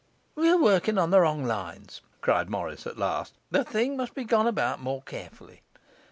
'We are working on wrong lines,' cried Morris at last. 'The thing must be gone about more carefully.